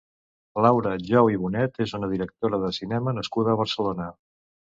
Laura Jou i Bonet és una directora de cinema nascuda a Barcelona.